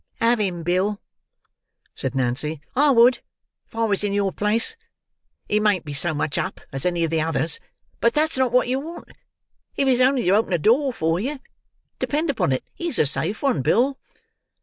"Have him, Bill!" said Nancy. "I would, if I was in your place. He mayn't be so much up, as any of the others; but that's not what you want, if he's only to open a door for you. Depend upon it he's a safe one, Bill."